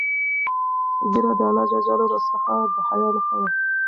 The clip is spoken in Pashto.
ږیره د الله جل جلاله څخه د حیا نښه ده.